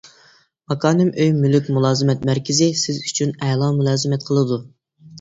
ماكانىم ئۆي-مۈلۈك مۇلازىمەت مەركىزى سىز ئۈچۈن ئەلا مۇلازىمەت قىلىدۇ.